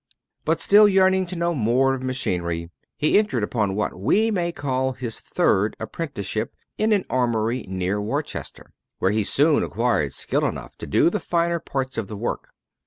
But still yearning to know more of machinery he entered upon what we may call his third apprenticeship, in an armory near Worcester, where he soon acquired skill enough to do the finer parts of the work.